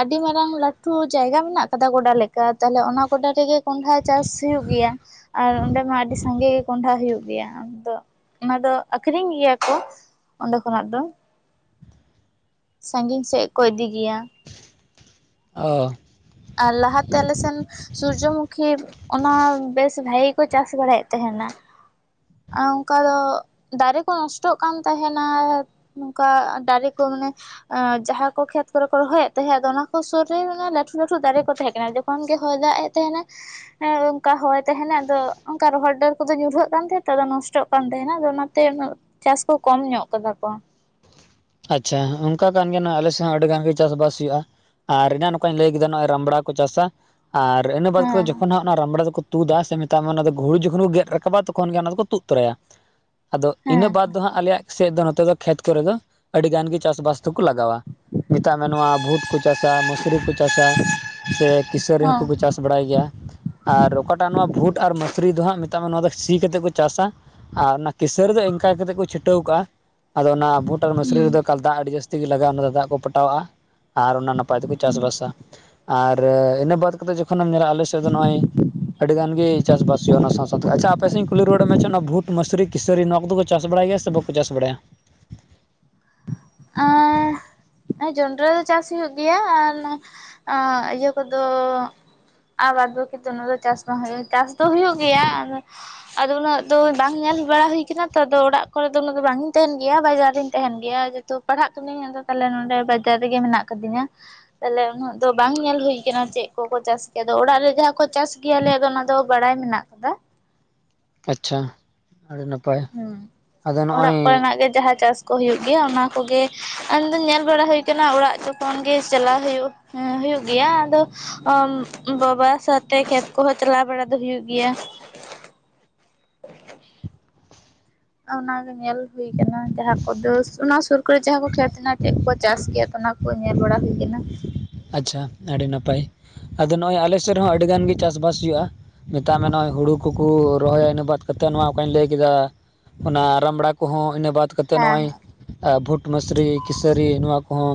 ᱟᱹᱰᱤ ᱢᱟᱨᱟᱝ ᱞᱟᱴᱩ ᱡᱟᱭᱜᱟ ᱢᱮᱱᱟᱜ ᱠᱟᱫᱟ ᱜᱚᱰᱟ ᱞᱮᱠᱟ ᱛᱟᱦᱞᱮ ᱚᱱᱟ ᱜᱚᱰᱟ ᱨᱮᱜᱮ ᱠᱚᱸᱰᱷᱟ ᱪᱟᱥ ᱦᱩᱭᱩᱜ ᱜᱮᱭᱟ᱾ ᱟᱨ ᱚᱸᱰᱮ ᱢᱟ ᱟᱹᱰᱤ ᱥᱟᱸᱜᱮ ᱠᱚᱸᱰᱷᱟ ᱦᱩᱭᱩᱜ ᱜᱮᱭᱟ ᱟᱫᱚ ᱚᱱᱟ ᱫᱚ ᱟᱠᱷᱨᱤᱧ ᱜᱮᱭᱟ ᱠᱚ᱾ ᱚᱸᱰᱮ ᱠᱷᱚᱱᱟᱜ ᱫᱚ᱾ ᱥᱟᱸᱜᱤᱧ ᱥᱮᱫ ᱠᱚ ᱤᱫᱤ ᱜᱮᱭᱟ᱾ ᱚᱻ ᱟᱨ ᱞᱟᱦᱟ ᱛᱮ ᱟᱞᱮ ᱥᱮᱱ ᱥᱩᱨᱡᱚᱢᱩᱠᱷᱤ ᱚᱱᱟ ᱵᱮᱥ ᱵᱷᱟᱜᱮ ᱠᱚ ᱪᱟᱥ ᱵᱟᱲᱟᱭᱮᱫ ᱛᱟᱦᱮᱱᱟ᱾ ᱟᱻ ᱚᱱᱠᱟ ᱫᱚ ᱫᱟᱨᱮ ᱠᱚ ᱱᱚᱥᱴᱚᱜ ᱠᱟᱱ ᱛᱟᱦᱮᱱᱟ᱾ ᱱᱚᱝᱠᱟ ᱫᱟᱨᱮ ᱠᱚ ᱢᱟᱱᱮ ᱟᱻ ᱡᱟᱦᱟ ᱠᱚ ᱠᱷᱮᱛ ᱠᱚᱨᱮ ᱠᱚ ᱨᱚᱦᱚᱭ ᱮᱫ ᱛᱟᱦᱮᱸᱫ ᱚᱱᱟ ᱠᱚ ᱥᱩᱨ ᱨᱮ ᱞᱟᱹᱴᱩ ᱫᱟᱨᱮ ᱠᱚ ᱛᱟᱦᱮᱸ ᱠᱟᱱᱟ ᱡᱚᱠᱷᱚᱱ ᱜᱮ ᱦᱚᱭ ᱫᱟᱜ ᱮᱫ ᱛᱟᱦᱮᱸᱱᱟ ᱦᱮ ᱚᱱᱠᱟ ᱦᱚᱭ ᱛᱟᱦᱮᱱᱟᱭ ᱟᱫᱚ ᱚᱱᱠᱟ ᱨᱚᱦᱚᱲ ᱰᱟᱹᱨ ᱠᱚᱫᱚ ᱧᱩᱨᱦᱟᱹᱜ ᱠᱟᱱ ᱛᱟᱦᱮᱸᱫ ᱛᱚ ᱟᱫᱚ ᱱᱚᱥᱴᱚᱜ ᱠᱟᱱ ᱛᱟᱦᱮᱱᱟ ᱟᱫᱚ ᱚᱱᱟᱛᱮ ᱩᱱᱟᱹᱜ ᱪᱟᱥ ᱠᱚ ᱠᱚᱢ ᱧᱚᱜ ᱠᱟᱫᱟ ᱠᱚ᱾ ᱟᱪᱪᱷᱟ ᱚᱱᱠᱟ ᱠᱟᱱ ᱜᱮᱭᱟ ᱱᱚᱜᱚᱭ ᱟᱞᱮᱥᱮᱫ ᱦᱚᱸ ᱟᱹᱰᱤ ᱜᱟᱱ ᱜᱮ ᱪᱟᱥᱵᱟᱥ ᱦᱩᱭᱩᱜᱼᱟ᱾ ᱟᱨ ᱮᱱᱟᱝ ᱱᱚᱠᱟᱧ ᱞᱟᱹᱭ ᱠᱮᱫᱟ ᱱᱚᱜ ᱚᱭ ᱨᱟᱢᱵᱲᱟ ᱠᱚ ᱪᱟᱥᱟ᱾ ᱟᱨ ᱤᱱᱟᱹ ᱵᱟᱫᱽ ᱠᱟᱛᱮᱫ ᱦᱮᱸ ᱡᱚᱠᱷᱚᱱ ᱦᱟᱸᱜ ᱚᱱᱟ ᱨᱟᱢᱵᱽᱲᱟ ᱫᱚᱠᱚ ᱛᱩᱫᱟ ᱥᱮ ᱢᱮᱛᱟᱜ ᱢᱮ ᱚᱱᱟ ᱫᱚ ᱜᱷᱩᱲᱩ ᱡᱚᱠᱷᱚᱱ ᱠᱚ ᱜᱮᱫ ᱨᱟᱠᱟᱵᱟ ᱛᱚᱠᱷᱚᱱ ᱜᱮ ᱚᱱᱟ ᱫᱚᱠᱚ ᱛᱩᱫ ᱛᱚᱨᱟᱭᱟ᱾ ᱟᱫᱚ ᱤᱱᱟᱹ ᱦᱮᱸ ᱵᱟᱫ ᱫᱚ ᱦᱟᱸᱜ ᱟᱞᱮᱭᱟᱜ ᱥᱮᱫ ᱫᱚ ᱱᱚᱛᱮ ᱫᱚ ᱠᱷᱮᱛ ᱠᱚᱨᱮ ᱫᱚ ᱟᱹᱰᱤ ᱜᱟᱱ ᱜᱮ ᱪᱟᱥ ᱵᱟᱥ ᱫᱚᱠᱚ ᱞᱟᱜᱟᱣᱟ᱾ ᱢᱮᱛᱟᱜ ᱢᱮ ᱱᱚᱣᱟ ᱵᱷᱩᱴ ᱠᱚ ᱪᱟᱥᱟ ᱢᱟᱹᱥᱨᱤ ᱦᱚ ᱠᱚ ᱪᱟᱥᱟ ᱥᱮ ᱠᱤᱥᱟᱹᱨᱤ ᱦᱚᱸᱠᱩ ᱠᱚ ᱦᱮᱸ ᱪᱟᱥᱟ᱾ ᱵᱟᱲᱟᱭ ᱜᱮᱭᱟ᱾ ᱟᱨ ᱚᱠᱟᱴᱟᱜ ᱱᱚᱣᱟ ᱵᱷᱩᱴ ᱟᱨ ᱢᱟᱥᱨᱤ ᱫᱚ ᱦᱟᱸᱜ ᱢᱮᱛᱟᱜ ᱢᱮ ᱱᱚᱣᱟ ᱫᱚ ᱥᱤ ᱠᱟᱛᱮᱫ ᱠᱚ ᱪᱟᱥᱟ᱾ ᱟᱨ ᱚᱱᱟ ᱠᱤᱥᱟᱨᱤ ᱫᱚ ᱤᱱᱠᱟ ᱠᱟᱛᱮ ᱠᱚ ᱪᱷᱤᱴᱟᱹᱣ ᱠᱟᱜᱼᱟ ᱟᱫᱚ ᱚᱱᱟ ᱵᱷᱩᱴ ᱟᱨ ᱢᱟᱥ ᱦᱩᱸ ᱮᱠᱟᱞ ᱫᱟᱜ ᱟᱰᱤ ᱡᱟᱥᱛᱤ ᱜᱮ ᱞᱟᱜᱟᱣᱱᱟ ᱚᱱᱟ ᱛᱮ ᱫᱟᱜ ᱠᱚ ᱯᱚᱴᱟᱣᱟᱜᱼᱟ ᱟᱨ ᱚᱱᱟ ᱱᱟᱯᱟᱭ ᱛᱮᱠᱚ ᱪᱟᱥᱵᱟᱥᱟ᱾ ᱟᱨ ᱤᱱᱟᱹ ᱵᱟᱫ ᱠᱟᱛᱮᱫ ᱡᱚᱠᱷᱚᱱᱮᱢ ᱧᱮᱞᱟ ᱟᱞᱮ ᱥᱮᱫ ᱫᱚ ᱱᱚᱜᱼᱚᱭ ᱟᱹᱰᱤ ᱜᱟᱱ ᱜᱮ ᱪᱟᱥᱵᱟᱥ [unintelligible] ᱚᱱᱟ ᱥᱟᱶ ᱥᱟᱶᱛᱮ ᱟᱪᱪᱷᱟ ᱟᱯᱮ ᱥᱮ ᱤᱧ ᱠᱩᱞᱤ ᱨᱩᱣᱟᱹᱲ ᱢᱮᱭᱟ ᱪᱮ ᱚᱱᱟ ᱵᱷᱩᱴ ᱢᱟᱥᱨᱤ ᱠᱤᱥᱟᱹᱨᱤ ᱱᱚᱣᱟ ᱠᱚᱫᱚ ᱠᱚ ᱪᱟᱥ ᱵᱟᱲᱟᱭ ᱜᱮᱭᱟ ᱥᱮ ᱵᱟᱠᱚ ᱪᱟᱥ ᱵᱟᱲᱟᱭᱟ? ᱟᱻᱦ ᱦᱮᱸ ᱡᱚᱱᱰᱨᱟ ᱫᱚ ᱪᱟᱥ ᱦᱩᱭᱩᱜ ᱜᱮᱭᱟ ᱟᱨ ᱤᱭᱟᱹ ᱠᱚᱫᱚ ᱟᱨ ᱵᱟᱫ ᱵᱟᱠᱤ ᱫᱚ ᱚᱱᱟᱫᱚ ᱪᱟᱥ ᱵᱟᱝ ᱦᱩᱭᱩᱜ ᱪᱟᱥ ᱫᱚ ᱦᱩᱭᱩᱜ ᱜᱮᱭᱟ ᱟᱫᱚ ᱟᱫᱚ ᱩᱱᱟᱹᱜ ᱫᱚ ᱵᱟᱝ ᱧᱮᱞ ᱵᱟᱲᱟ ᱦᱩᱭᱠᱟᱱᱟ ᱛᱚ ᱟᱫᱚ ᱚᱲᱟᱜ ᱠᱚᱨᱮ ᱫᱚ ᱩᱱᱟᱹᱜ ᱫᱚ ᱵᱟᱝᱤᱧ ᱛᱟᱦᱮᱱ ᱜᱮᱭᱟ ᱵᱟᱡᱟᱨ ᱨᱤᱧ ᱛᱟᱦᱮᱱ ᱜᱮᱭᱟ ᱡᱚᱛᱚ ᱯᱟᱲᱦᱟᱜ ᱠᱟᱹᱱᱟᱹᱧ ᱟᱫᱚ ᱛᱟᱦᱞᱮ ᱱᱚᱰᱮ ᱵᱟᱡᱟᱨ ᱨᱮᱜᱮ ᱢᱮᱱᱟᱜ ᱠᱟᱫᱤᱧᱟ᱾ ᱛᱟᱦᱚᱞᱮ ᱩᱱᱟᱹᱜ ᱫᱚ ᱵᱟᱝ ᱧᱮᱞ ᱦᱩᱭ ᱠᱟᱱᱟ ᱪᱮᱫ ᱠᱚᱠᱚ ᱪᱟᱥ ᱜᱮᱭᱟ ᱟᱫᱚ ᱚᱲᱟᱜ ᱨᱮ ᱡᱟᱦᱟᱸ ᱠᱚ ᱪᱟᱥ ᱜᱮᱭᱟᱞᱮ, ᱟᱫᱚ ᱚᱱᱟ ᱫᱚ ᱵᱟᱲᱟᱭ ᱢᱮᱱᱟᱜ ᱠᱟᱫᱟ᱾ ᱟᱪᱪᱷᱟ᱾ ᱟᱹᱰᱤ ᱱᱟᱯᱟᱭ ᱦᱮᱸ ᱟᱫᱚ ᱚᱲᱟᱜ ᱱᱚᱜᱼᱚᱭ ᱠᱚᱨᱮᱱᱟᱜ ᱜᱮ ᱡᱟᱦᱟᱸ ᱪᱟᱥ ᱠᱚ ᱦᱩᱭᱩᱜ ᱜᱮᱭᱟ ᱚᱱᱟ ᱠᱚᱜᱮ ᱟᱧᱫᱚᱧ ᱧᱮᱞ ᱵᱟᱲᱟ ᱦᱩᱭ ᱠᱟᱱᱟ ᱚᱲᱟᱜ ᱡᱚᱠᱷᱚᱱ ᱜᱮ ᱪᱟᱞᱟᱣ ᱦᱩᱭᱩᱜ ᱦᱮᱸ ᱦᱩᱭᱩᱜ ᱜᱮᱭᱟ ᱟᱫᱚ ᱵᱟᱵᱟ ᱥᱟᱶᱛᱮ ᱠᱷᱮᱛ ᱠᱚᱦᱚᱸ ᱪᱟᱞᱟᱣ ᱵᱟᱲᱟ ᱫᱚ ᱦᱩᱭᱩᱜ ᱜᱮᱭᱟ᱾ ᱚᱱᱟᱜᱮ ᱧᱮᱞ ᱦᱩᱭᱠᱟᱱᱟ ᱡᱟᱦᱟᱸ ᱠᱚᱫᱚᱥ ᱚᱱᱟ ᱥᱩᱨ ᱠᱟᱨᱮ ᱡᱟᱦᱟᱸ ᱠᱚ ᱠᱷᱮᱛ ᱦᱮᱱᱟᱜ ᱴᱷᱮᱡ ᱠᱚ ᱪᱟᱥ ᱜᱮᱭᱟ ᱛᱚ ᱚᱱᱟᱠᱚ ᱧᱮᱞ ᱵᱟᱲᱟ ᱦᱩᱭ ᱠᱮᱱᱟ᱾ ᱟᱪᱪᱷᱟ ᱟᱹᱰᱤ ᱱᱟᱯᱟᱭ ᱟᱫᱚ ᱱᱚᱜᱚᱭ ᱟᱞᱮᱥᱮᱫ ᱨᱮᱦᱚᱸ ᱟᱹᱰᱤ ᱜᱟᱱᱜᱤ ᱪᱟᱥᱵᱟᱥ ᱦᱩᱭᱩᱜᱼᱟ᱾ ᱢᱮᱛᱟᱜ ᱢᱮ ᱱᱚᱜᱚᱭ ᱦᱩᱲᱩ ᱠᱚᱠᱚ ᱨᱚᱦᱚᱭᱟ ᱤᱱᱟᱹ ᱵᱟᱫ ᱠᱟᱛᱮᱫ ᱱᱚᱣᱟ ᱚᱠᱟᱧ ᱞᱟᱹᱭ ᱠᱮᱫᱟ᱾ ᱚᱱᱟ ᱨᱟᱢᱲᱟ ᱠᱚᱦᱚ ᱤᱱᱟᱹ ᱵᱟᱫ᱾ ᱠᱟᱛᱮᱫ ᱦᱮᱸ ᱱᱚᱜᱼᱚᱭ ᱵᱷᱩᱴ ᱢᱥᱨᱤ ᱠᱤᱥᱟᱹᱨᱤ ᱱᱚᱣᱟ ᱠᱚᱦᱚᱸ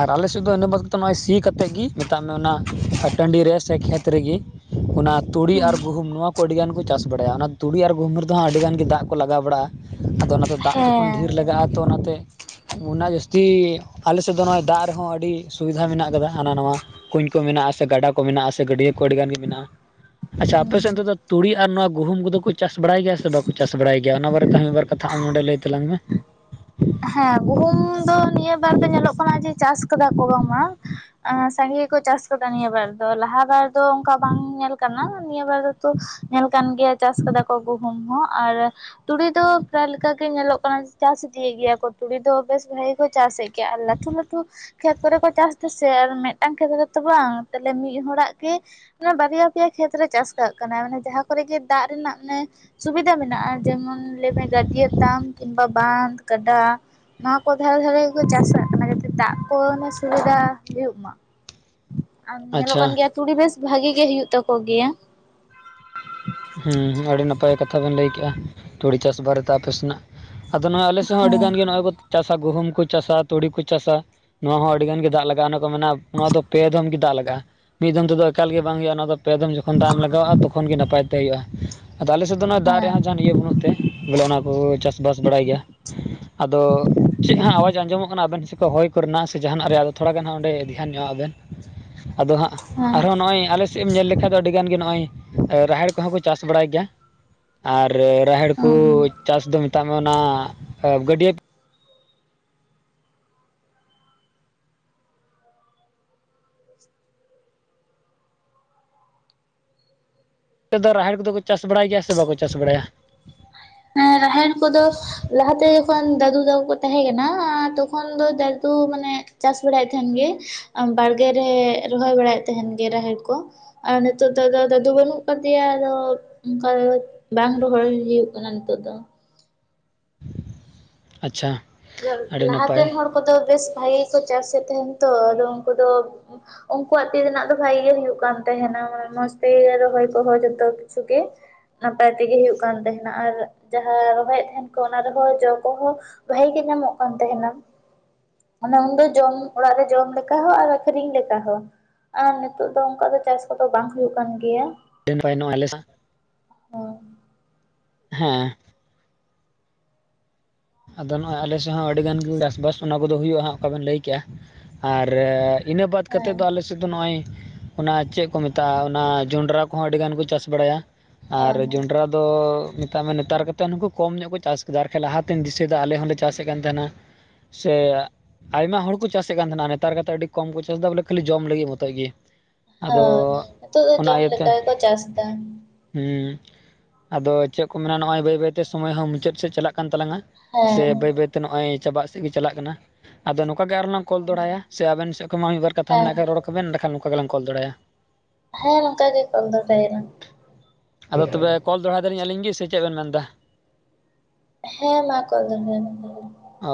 ᱟᱨ ᱟᱞᱮᱥᱮᱫ ᱫᱚ ᱤᱱᱟᱹᱜ ᱵᱟᱫᱽ ᱱᱚᱜᱚᱭ ᱥᱤ ᱠᱟᱛᱮᱫ ᱜᱤ ᱢᱮᱛᱟᱜ ᱢᱮ ᱚᱱᱟ ᱴᱟᱱᱰᱤ ᱨᱮ ᱥᱮ ᱠᱷᱮᱛ ᱨᱮᱜᱮ ᱚᱱᱟ ᱛᱩᱲᱤ ᱦᱮᱸ ᱟᱨ ᱜᱩᱦᱩᱢ ᱱᱚᱣᱟ ᱠᱚ ᱟᱹᱰᱤ ᱜᱟᱱ ᱠᱚ ᱪᱟᱥ ᱵᱟᱲᱟᱭᱟ ᱚᱱᱟ ᱛᱩᱲᱤ ᱟᱨ ᱜᱩᱦᱩᱢ ᱨᱮᱫᱚᱦᱚᱸ ᱟᱹᱰᱤ ᱜᱟᱱ ᱜᱮ ᱫᱟᱜ ᱠᱚ ᱞᱟᱜᱟᱣ ᱵᱟᱲᱟᱜᱼᱟ᱾ ᱟᱫᱚ ᱚᱱᱟᱛᱮ ᱫᱟᱜ ᱡᱚᱠᱷᱚᱱ ᱰᱷᱤᱨ ᱦᱮᱸ ᱞᱟᱜᱟᱜᱼᱟ ᱛᱚ ᱚᱱᱟᱛᱮ ᱚᱱᱟ ᱡᱟᱹᱥᱛᱤ ᱟᱞᱮᱥᱮᱫ ᱫᱚ ᱱᱚᱜᱼᱚᱭ ᱫᱟᱜ ᱨᱮᱦᱚ ᱟᱹᱰᱤ ᱥᱩᱵᱤᱫᱷᱟ ᱢᱮᱱᱟᱜ ᱟᱠᱟᱫᱟ ᱦᱟᱱᱟ ᱱᱟᱣᱟ ᱠᱩᱧ ᱠᱚ ᱢᱮᱱᱟᱜᱼᱟ ᱥᱮ ᱜᱟᱰᱟ ᱠᱚ ᱢᱮᱱᱟᱜᱼᱟᱥᱮ ᱜᱟᱹᱰᱭᱟᱹ ᱠᱚ ᱟᱹᱰᱤ ᱜᱟᱱ ᱜᱮ ᱢᱮᱱᱟᱜᱼᱟ᱾ ᱟᱪᱪᱷᱟ ᱟᱯᱮ ᱥᱮᱱ ᱦᱮᱸ ᱛᱮᱫᱚ ᱛᱩᱲᱤ ᱟᱨ ᱱᱚᱣᱟ ᱜᱩᱦᱩᱢ ᱠᱚᱫᱚ ᱠᱚ ᱪᱟᱥ ᱵᱟᱲᱟᱭ ᱜᱮᱭᱟ ᱥᱮ ᱵᱟᱠᱚ ᱪᱟᱥ ᱵᱟᱲᱟᱭ ᱜᱮᱭᱟ ᱚᱱᱟ ᱵᱟᱨᱮᱛᱮ ᱢᱤᱫᱵᱟᱨ ᱠᱟᱛ ᱛᱷᱟ ᱟᱢ ᱱᱚᱰᱮ ᱞᱟᱹᱭ ᱛᱟᱞᱟᱝ ᱢᱮ᱾ ᱦᱮᱸ ᱜᱩᱦᱩᱢ ᱫᱚ ᱱᱤᱭᱟᱹ ᱵᱟᱨ ᱫᱚ ᱧᱮᱞᱚᱜ ᱠᱟᱱᱟ ᱡᱮ ᱪᱟᱥ ᱠᱟᱫᱟ ᱠᱚ ᱵᱟᱝᱢᱟ᱾ ᱥᱟᱸᱜᱮ ᱜᱮᱠᱚ ᱪᱟᱥ ᱠᱟᱫᱟ ᱱᱤᱭᱟᱹᱵᱟᱨ ᱫᱚ ᱞᱟᱦᱟ ᱵᱟᱨ ᱫᱚ ᱚᱱᱠᱟ ᱵᱟᱝ ᱧᱮᱞ ᱠᱟᱱᱟ ᱱᱤᱭᱟᱹ ᱵᱟᱨ ᱫᱚ ᱛᱚ ᱧᱮᱞ ᱠᱟᱱ ᱜᱮᱭᱟ ᱪᱟᱥ ᱠᱟᱫᱟ ᱠᱚ ᱜᱩᱦᱩᱢ ᱦᱚᱸ ᱟᱨ ᱛᱩᱲᱤ ᱫᱚ ᱯᱨᱟᱭ ᱞᱮᱠᱟ ᱜᱮ ᱧᱮᱞᱚᱜ ᱠᱟᱱᱟ ᱪᱟᱥ ᱤᱫᱤᱭᱮ ᱜᱮᱭᱟ ᱠ ᱛᱩᱲᱤ ᱫᱚ ᱵᱮᱥ ᱵᱷᱟᱜᱤ ᱠᱚ ᱪᱟᱥᱮᱫ ᱜᱮᱭᱟ ᱟᱨ ᱞᱟᱷᱴᱩ ᱞᱟᱷᱴᱩ ᱠᱷᱮᱛ ᱠᱚᱨᱮ ᱠᱚ ᱪᱟᱥ ᱫᱟᱥᱮ ᱟᱨ ᱢᱮᱫᱴᱟᱝ ᱠᱷᱮᱛ ᱨᱮᱛᱚ ᱵᱟᱝ ᱛᱟᱦᱞᱮ ᱢᱤᱫ ᱦᱚᱲᱟᱜ ᱜᱮ ᱟᱱᱮ ᱵᱟᱨᱭᱟ ᱯᱮᱭᱟ ᱠᱷᱮᱛᱨᱮ ᱪᱟᱥ ᱠᱟᱜ ᱠᱟᱱᱟ ᱢᱟᱱᱮ ᱡᱟᱦᱟᱸ ᱠᱚᱨᱮᱜ ᱜᱮ ᱫᱟᱜ ᱨᱮᱱᱟᱜ ᱢᱟᱱᱮ ᱥᱩᱵᱤᱫᱟ ᱢᱮᱱᱟᱜᱼᱟ᱾ ᱡᱮᱢᱚᱱ ᱞᱟᱹᱭᱢᱮ ᱜᱟᱰᱭᱟᱹ ᱛᱟᱢ ᱠᱤᱢᱵᱟ ᱵᱟᱸᱫ ᱜᱟᱰᱟ᱾ ᱱᱚᱣᱟ ᱠᱚ ᱫᱷᱟᱨᱮ ᱫᱷᱟᱨᱮ ᱜᱮᱠᱚ ᱪᱟᱥ ᱠᱟᱜ ᱠᱟᱱᱟ ᱡᱟᱛᱮ ᱫᱟᱜ ᱠᱚ ᱥᱩᱵᱤᱫᱟ ᱦᱩᱭᱩᱜ ᱢᱟ᱾ ᱟᱨ ᱧᱮᱞᱚᱜ ᱟᱪᱪᱷᱟ ᱠᱟᱱ ᱜᱮᱭᱟ ᱛᱩᱨᱤ ᱵᱮᱥ ᱵᱷᱟᱜᱤ ᱜᱮ ᱦᱩᱭᱩᱜ ᱛᱟᱠᱚ ᱜᱮᱭᱟ᱾ ᱦᱩᱸ ᱟᱰᱤ ᱱᱟᱯᱟᱭ ᱠᱟᱛᱷᱟ ᱵᱮᱱ ᱞᱟᱹᱭ ᱠᱮᱜᱼᱟ ᱛᱩᱲᱤ ᱪᱟᱥ ᱵᱟᱨᱮᱛᱮ ᱟᱯᱮ ᱥᱮᱱᱟᱜ᱾ ᱟᱫᱚ ᱱᱚᱜᱼᱚᱭ ᱟᱞᱮᱥᱮ ᱦᱚᱸ ᱟᱹᱰᱤ ᱦᱮᱸ ᱜᱟᱱ ᱜᱮ ᱱᱚᱜᱚᱭ ᱠᱚ ᱪᱟᱥᱟ ᱜᱩᱦᱩᱢ ᱠᱚ ᱪᱟᱥᱟ ᱛᱩᱲᱤ ᱠᱚ ᱪᱟᱥᱟ᱾ ᱱᱚᱣᱟ ᱦᱚᱸ ᱟᱹᱰᱤ ᱜᱟᱱ ᱜᱮ ᱫᱟᱜ ᱞᱟᱜᱟᱜᱼᱟ ᱚᱱᱟ ᱠᱚ ᱢᱮᱱᱟ ᱱᱚᱣᱟ ᱫᱚ ᱯᱮ ᱫᱷᱢ ᱜᱮ ᱫᱟᱜ ᱞᱟᱜᱟᱜᱼᱟ᱾ ᱢᱤᱫ ᱫᱷᱚᱢ ᱛᱮᱫᱚ ᱮᱠᱟᱞ ᱜᱮ ᱵᱟᱝ ᱦᱩᱭᱩᱜᱼᱟ ᱚᱱᱟ ᱫᱚ᱾ ᱯᱮ ᱫᱚᱢ ᱡᱚᱠᱷᱚᱱ ᱫᱟᱜ ᱮᱢ ᱞᱟᱜᱟᱣᱼᱟ ᱛᱚᱠᱷᱚᱱ ᱜᱮ ᱱᱟᱯᱟᱭ ᱛᱮ ᱦᱩᱭᱩᱜᱼᱟ ᱟᱫᱚ ᱟᱞᱮ ᱥᱮᱜ ᱫᱚ ᱱᱚᱣᱟ ᱫᱟᱜ ᱨᱮ ᱦᱟᱜ ᱡᱟᱦᱟᱱ ᱦᱮᱸ ᱤᱭᱟᱹ ᱵᱟᱹᱱᱩᱜ ᱛᱮ ᱵᱚᱞᱮ ᱚᱱᱟ ᱠᱚ ᱪᱟᱥᱵᱟᱥ ᱵᱟᱲᱟᱭ ᱜᱮᱭᱟ, ᱟᱫᱚ ᱪᱮᱜ ᱦᱟᱸᱜ ᱟᱣᱟᱡᱽ ᱟᱸᱡᱚᱢᱚᱜ ᱠᱟᱱᱟ ᱟᱵᱮᱱ ᱥᱮᱜ ᱠᱚ ᱦᱚᱭ ᱠᱚ ᱨᱮᱱᱟᱜ ᱥᱮ ᱡᱟᱦᱟᱱᱟᱜ ᱨᱮᱭᱟᱜ ᱫᱚ ᱛᱷᱚᱲᱟ ᱜᱟᱱ ᱦᱟᱸᱜ ᱚᱸᱰᱮ ᱫᱷᱮᱭᱟᱱ ᱧᱚᱜᱼᱟ ᱵᱮᱱ᱾ ᱟᱫᱚ ᱦᱟᱸᱜ ᱟᱨᱦᱚᱸ ᱱᱚᱜ-ᱚᱭ ᱟᱞᱮ ᱥᱮᱜ ᱮᱢ ᱧᱮᱞ ᱞᱮᱠᱷᱟ ᱫᱚ ᱟᱹᱰᱤ ᱜᱟᱱ ᱜᱮ ᱱᱚᱜ-ᱚᱭ ᱨᱟᱦᱮᱲ ᱠᱚᱦᱚᱸ ᱠᱚ ᱪᱟᱥ ᱵᱟᱲᱟᱭ ᱜᱮᱭᱟ᱾ ᱟᱨ ᱨᱟᱦᱮᱲ ᱠᱚ ᱦᱮᱸ ᱪᱟᱥ ᱫᱚ ᱢᱮᱛᱟᱜ ᱢᱮ ᱚᱱᱟ ᱜᱟᱹᱰᱭᱟᱹ ᱟᱯᱮ ᱫᱚ ᱨᱟᱦᱮᱲ ᱠᱚᱫᱚ ᱠᱚ ᱪᱟᱥ ᱵᱟᱲᱟᱭ ᱜᱮᱭᱟ ᱥᱮ ᱵᱟᱠᱚ ᱪᱟᱥ ᱵᱟᱲᱟᱭᱟ? ᱨᱟᱦᱮᱲ ᱠᱚᱫᱚ ᱞᱟᱦᱟᱛᱮ ᱡᱚᱠᱷᱚᱱ ᱫᱟᱫᱩ ᱛᱟᱠᱚ ᱛᱟᱦᱮᱸ ᱠᱟᱱᱟ ᱛᱚᱠᱷᱚᱱ ᱫᱚ ᱫᱟᱫᱩ ᱢᱟᱱᱮ ᱪᱟᱥ ᱵᱟᱲᱟᱭᱮᱫ ᱛᱟᱦᱮᱱ ᱜᱮ ᱵᱟᱲᱜᱮ ᱨᱮ ᱨᱚᱦᱚᱭ ᱵᱟᱲᱟᱭᱮᱫ ᱛᱟᱦᱮᱱ ᱜᱮ ᱨᱟᱦᱮᱲ ᱠᱚ᱾ ᱟᱨ ᱱᱤᱛᱚᱜ ᱫᱚ ᱟᱫᱚ ᱫᱟᱫᱩ ᱵᱟᱹᱱᱩᱜ ᱟᱠᱟᱫᱤᱭᱟ ᱟᱫᱚ ᱚᱱᱠᱟ ᱫᱚ ᱵᱟᱝ ᱨᱚᱦᱚᱭ ᱦᱩᱭᱩᱜ ᱠᱟᱱᱟ ᱱᱤᱛᱚᱜ ᱫᱚ᱾ ᱟᱪᱪᱷᱟ᱾ ᱟᱹᱰᱤ ᱞᱟᱦᱟ ᱛᱮᱱ ᱱᱟᱯᱟᱭ ᱦᱚᱲ ᱠᱚᱫᱚ ᱵᱮᱥ ᱵᱷᱟᱜᱮ ᱜᱮᱠᱚ ᱪᱟᱥᱮᱜ ᱛᱟᱦᱮᱸᱱ ᱛᱚ ᱟᱫᱚ ᱩᱱᱠᱩ ᱫᱚ ᱩᱱᱠᱩᱣᱟᱜ ᱛᱤ ᱨᱮᱱᱟᱜ ᱫᱚ ᱵᱷᱟᱜᱮ ᱜᱮ ᱦᱩᱭᱩᱜ ᱠᱟᱱ ᱛᱟᱦᱮᱱᱟ ᱢᱟᱱᱮ ᱢᱚᱸᱡᱽ ᱛᱮ ᱨᱚᱦᱚᱭ ᱠᱚᱦᱚᱸ ᱡᱚᱛᱚ ᱠᱤᱪᱷᱩ ᱜᱮ᱾ ᱱᱟᱯᱟᱭ ᱛᱮᱜᱮ ᱦᱩᱭᱩᱜ ᱠᱟᱱ ᱛᱟᱦᱮᱱᱟ ᱟᱨ ᱡᱟᱦᱟᱸ ᱨᱚᱦᱚᱭᱮᱫ ᱛᱟᱦᱮᱸᱱ ᱠᱚ ᱚᱱᱟ ᱨᱮᱦᱚᱸ ᱡᱚ ᱠᱚᱦᱚᱸ ᱵᱷᱟᱜᱤ ᱜᱮ ᱧᱟᱢᱚᱜ ᱠᱟᱱ ᱛᱟᱦᱮᱱᱟ᱾ ᱚᱱᱮ ᱩᱱᱫᱚ ᱡᱚᱢ ᱚᱲᱟᱜ ᱨᱮ ᱡᱚᱢ ᱞᱮᱠᱟ ᱦᱚᱸ ᱟᱨ ᱟᱠᱷᱨᱤᱧ ᱞᱮᱠᱟ ᱦᱚᱸ, ᱟᱨ ᱱᱤᱛᱚᱜ ᱫᱚ ᱚᱱᱠᱟ ᱫᱚ ᱪᱟᱥ ᱠᱚᱫᱚ ᱵᱟᱝ ᱦᱩᱭᱩᱜ ᱠᱟᱱ ᱜᱮᱭᱟ᱾ [unintelligible] ᱟᱞᱮ ᱥᱟ ᱦᱮᱸ ᱦᱮᱸ, ᱟᱫᱚ ᱱᱚᱜ-ᱚᱭ ᱟᱞᱮ ᱥᱮᱜ ᱦᱚᱸ ᱟᱹᱰᱤ ᱜᱟᱱ ᱜᱮ ᱪᱟᱥᱵᱟᱥ ᱚᱱᱟ ᱠᱚᱫᱚ ᱦᱩᱭᱩᱜ-ᱟ ᱦᱟᱜ ᱚᱠᱟ ᱵᱮᱱ ᱞᱟᱹᱭ ᱠᱮᱜ-ᱟ ᱾ᱟᱨ ᱤᱱᱟᱹ ᱵᱟᱫ ᱦᱮᱸ ᱠᱟᱛᱮᱫ ᱫᱚ ᱟᱞᱮ, ᱥᱮᱫ ᱫᱚ ᱱᱚᱜ-ᱚᱭ ᱚᱱᱟ ᱪᱮᱜ ᱠᱚ ᱢᱮᱛᱟᱜ-ᱟ, ᱚᱱᱟ ᱡᱚᱱᱰᱨᱟ ᱠᱚᱦᱚᱸ ᱟᱹᱰᱤ ᱜᱟᱱ ᱠᱚ ᱪᱟᱥ ᱵᱟᱲᱟᱭᱟ᱾ ᱟᱨ ᱦᱮᱸ ᱦᱮᱸ ᱡᱚᱱᱰᱨᱟ ᱫᱚ ᱢᱮᱛᱟᱜ ᱢᱮ ᱱᱮᱛᱟᱨ ᱠᱟᱛᱮᱫ ᱱᱩᱠᱩ ᱠᱚᱢ ᱧᱚᱜ ᱠᱚ ᱪᱟᱥ ᱠᱮᱫᱟ, ᱟᱨ ᱠᱷᱟᱡ ᱞᱟᱦᱟ ᱛᱮᱱ ᱫᱤᱥᱟᱹᱭᱮᱫᱟ ᱟᱞᱮ ᱦᱚᱸᱞᱮ ᱪᱟᱥᱮᱜ ᱠᱟᱱ ᱛᱟᱦᱮᱱᱟ, ᱥᱮ ᱟᱭᱢᱟ ᱦᱚᱲ ᱠᱚ ᱪᱟᱥᱮᱜ ᱠᱟᱱ ᱛᱟᱦᱮᱱᱟ ᱱᱮᱛᱟᱨ ᱠᱟᱛᱮᱫ ᱟᱹᱰᱤ ᱠᱚᱢ ᱠᱚ ᱪᱟᱥ ᱮᱫᱟ ᱵᱚᱞᱮ ᱠᱷᱟᱹᱞᱤ ᱡᱚᱢ ᱞᱟᱹᱜᱤᱫ ᱢᱚᱛᱚᱡ ᱜᱮ᱾ ᱦᱳᱭ ᱟᱫᱚ ᱱᱤᱛᱚᱜ ᱫᱚ ᱡᱚᱢ ᱞᱮᱠᱟ ᱜᱮᱠᱚ ᱪᱟᱥ ᱮᱫᱟ, ᱦᱩᱸ ᱟᱫᱚ ᱪᱮᱜ ᱠᱚ ᱢᱮᱱᱟ ᱱᱚᱜ-ᱚᱭ ᱵᱟᱹᱭ ᱵᱟᱹᱭᱛᱮ ᱥᱚᱢᱚᱭ ᱦᱚᱸ ᱢᱩᱪᱟᱹᱫ ᱥᱮᱫ ᱪᱟᱞᱟᱜ ᱠᱟᱱ ᱛᱟᱞᱟᱝ-ᱟ᱾ ᱥᱮ ᱦᱮᱸ ᱵᱟᱹᱭ ᱵᱟᱹᱭᱛᱮ ᱱᱚᱜ-ᱚᱭ ᱪᱟᱵᱟᱜ ᱥᱮᱜ ᱜᱮ ᱪᱟᱞᱟᱜ ᱠᱟᱱᱟ, ᱟᱫᱚ ᱱᱚᱝᱠᱟ ᱜᱮ ᱟᱨᱚ ᱞᱟᱝ ᱠᱚᱞ ᱫᱚᱲᱟᱭᱟ ᱥᱮ ᱟᱵᱮᱱ ᱥᱮᱜ ᱠᱷᱚᱜ ᱢᱟ ᱢᱤᱫᱵᱟᱨ ᱠᱟᱛᱷᱟ ᱦᱮᱸ ᱢᱮᱱᱟᱜ ᱠᱷᱟᱜ ᱨᱚᱲ ᱠᱚᱵᱮᱱ ᱮᱸᱰᱮᱠᱷᱟᱱ ᱱᱚᱝᱠᱟ ᱜᱮᱞᱟᱝ ᱠᱚᱞ ᱫᱚᱲᱟᱭᱟ, ᱦᱮᱸ ᱱᱚᱝᱠᱟ ᱜᱮ ᱠᱚᱞ ᱫᱚᱦᱲᱟᱭᱟᱞᱟᱝ᱾ ᱟᱫᱚ ᱛᱚᱵᱮ ᱠᱚᱞ ᱫᱚᱦᱲᱟᱭ ᱫᱟᱹᱞᱤᱧ ᱟᱹᱞᱤᱧ ᱜᱮ ᱥᱮ ᱪᱮᱜ ᱵᱮᱱ ᱢᱮᱱᱫᱟ? ᱦᱮᱸ ᱢᱟ ᱠᱚᱞ ᱫᱚᱦᱲᱟᱭ ᱵᱮᱱ ᱛᱟᱦ,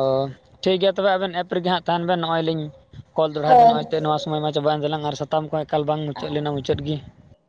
ᱚᱸ, ᱴᱷᱤᱠ ᱜᱮᱭᱟ ᱛᱚᱵᱮ ᱟᱵᱮᱱ ᱮᱯ ᱨᱮᱜᱮ ᱦᱟᱸᱜ ᱛᱟᱦᱮᱱ ᱵᱮᱱ ᱱᱚᱜ-ᱚᱭ ᱞᱤᱧ ᱠᱚᱞ ᱫᱚᱲᱦᱟᱭ ᱫᱟ ᱦᱳᱭ ᱱᱚᱜ-ᱚᱭ ᱛᱮ ᱱᱚᱣᱟ ᱥᱚᱢᱚᱭ ᱢᱟ ᱪᱟᱵᱟᱭᱮᱱ ᱛᱟᱞᱟᱝ ᱟᱨ ᱥᱟᱛᱟᱢ ᱠᱚᱢᱟ ᱮᱠᱟᱞ ᱵᱟᱝ ᱢᱩᱪᱟᱹᱫ ᱞᱮᱱᱟ ᱢᱩᱪᱟᱹᱫ ᱜᱮ,